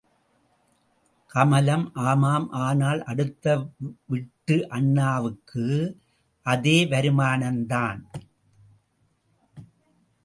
கமலம் ஆமாம், ஆனால் அடுத்த விட்டு அண்ணாவுக்கும் அதே வருமானம் தான்.